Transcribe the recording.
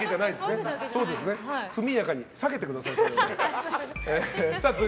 速やかに下げてください。